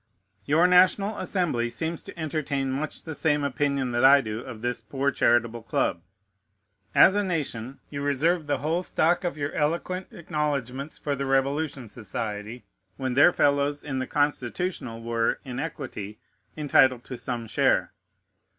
Your National Assembly seems to entertain much the same opinion that I do of this poor charitable club. As a nation, you reserved the whole stock of your eloquent acknowledgments for the Revolution Society, when their fellows in the Constitutional were in equity entitled to some share.